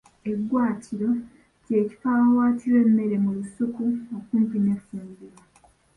Eggwaatiro kye kifo awawaatirwa emmere mu lusuku okumpi n’effumbiro.